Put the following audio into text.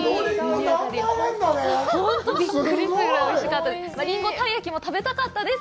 本当にびっくりするぐらいおいしかったです。